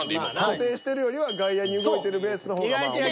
固定してるよりは外野に動いてるベースの方がまあ面白い。